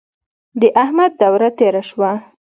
د احمد دوره تېره شوه.